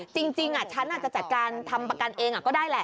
จริงฉันอาจจะจัดการทำประกันเองก็ได้แหละ